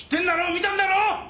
見たんだろ！